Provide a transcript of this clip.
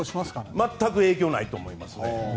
全く影響ないと思います。